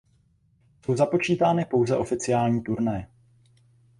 Jsou započítány pouze oficiální turnaje.